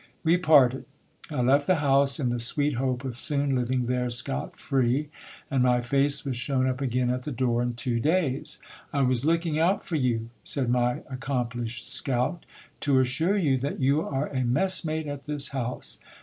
We parted. I left the house, in the sweet hope of soon living there scot free ; and my face was shown up again at the door in two days. I was looking out for you, said my accomplished scout, to assure you that you are a messmate at this house.